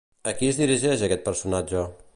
A qui es dirigeix aquest personatge?